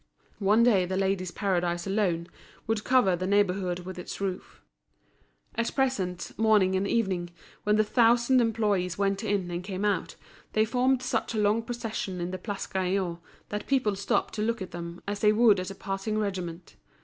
One day The Ladies' Paradise alone would cover the neighbourhood with its roof. At present, morning and evening, when the thousand employees went in and came out, they formed such a long procession in the Place Gaillon that people stopped to look at them as they would at a passing regiment.